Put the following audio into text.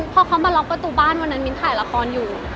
พอเขามาล็อกประตูบ้านวันนั้นมิ้นถ่ายละครอยู่